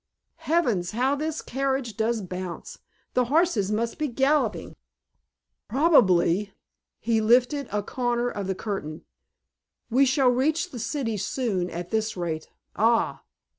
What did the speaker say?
Heavens, how this carriage does bounce. The horses must be galloping." "Probably." He lifted a corner of the curtain. "We shall reach the city soon at this rate. Ah!"